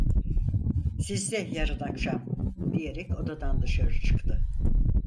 "Siz de yarın akşam!" diyerek odadan dışarı çıktı.